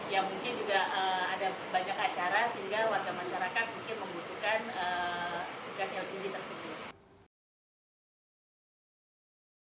ya mungkin juga ada banyak acara sehingga warga masyarakat mungkin membutuhkan gas yang tinggi tersebut